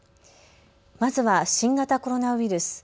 まずは新型コロナウイルス。